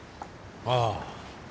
ああ。